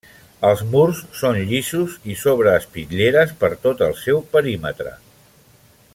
Els murs són llisos i s'obre espitlleres per tot el seu perímetre.